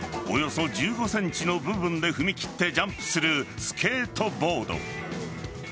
およそ１５ｃｍの部分で踏み切ってジャンプするスケートボード。